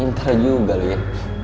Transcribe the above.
pinter juga lu ya